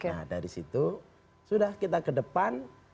nah dari situ sudah kita ke depan